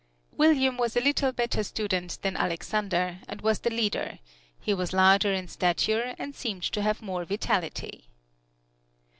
William was a little better student than Alexander, and was the leader; he was larger in stature and seemed to have more vitality.